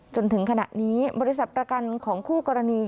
จนถึงขณะนี้บริษัทประกันของคู่กรณี